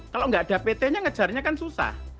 kalau nggak ada pt nya ngejarnya kan susah